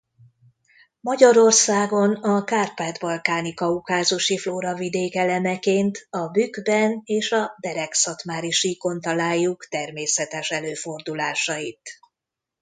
Magyarországon a kárpát-balkáni-kaukázusi flóravidék elemeként a Bükkben és a Bereg-Szatmári-síkon találjuk természetes előfordulásait.